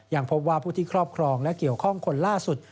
ยังพบว่าผู้ที่ครอบครองและเกี่ยวข้องคนล่าสุด